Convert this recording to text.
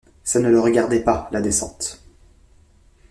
Ça ne le regardait pas, la descente.